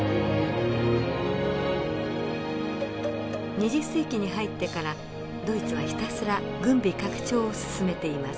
２０世紀に入ってからドイツはひたすら軍備拡張を進めています。